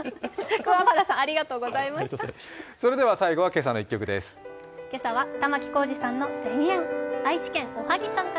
桑原さんありがとうございました。